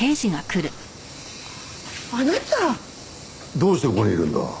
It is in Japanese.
どうしてここにいるんだ？